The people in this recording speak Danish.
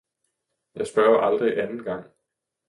Jeg spørger aldrig anden gang!